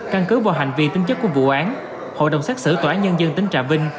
căn cứ vào hành vi tính chất của vụ án hội đồng xét xử tòa án nhân dân tính trà vinh